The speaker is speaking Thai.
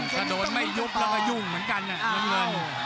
ถ้าโดนไม่ยุบละก็ยุ่งเหมือนกันเนี่ยน้องเงิน